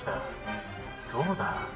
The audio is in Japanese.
「そうだ。